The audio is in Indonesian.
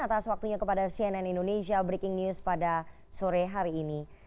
atas waktunya kepada cnn indonesia breaking news pada sore hari ini